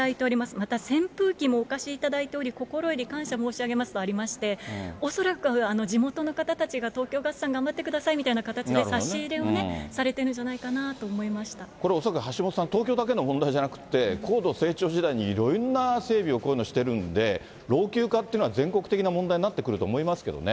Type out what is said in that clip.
また扇風機もお貸しいただいており、心より感謝申し上げますとありまして、恐らく地元の方たちが、東京ガスさん頑張ってくださいみたいな形で差し入れをね、されてこれ恐らく、東京だけの問題じゃなくて、高度成長時代にいろんな整備をこういうのしてるんで、老朽化というのは全国的な問題になってくると思いますけどね。